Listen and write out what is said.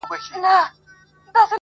له دې نه مخكي چي ته ما پرېږدې.